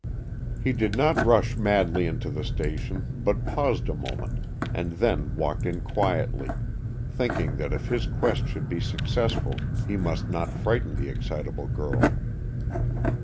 He did not rush madly into the station, but paused a moment, and then walked in quietly, thinking that if his quest should be successful he must not frighten the excitable girl.